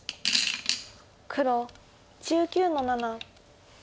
黒１９の七。